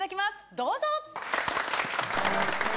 どうぞ！